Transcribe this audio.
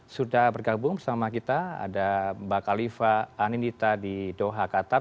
sudah bergabung bersama kita ada mbak kaliva anindita di doha qatar